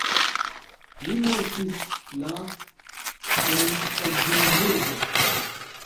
Li mortis la en Edinburgo.